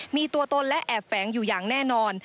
มีตัวตนและแอบแฝงอยู่อย่างแน่นอน